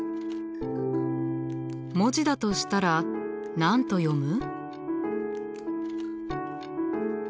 文字だとしたら何と読む？